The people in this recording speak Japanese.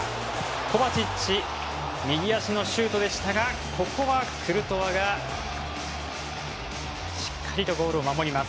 コバチッチ右足のシュートでしたがここはクルトワがしっかりとゴールを守ります。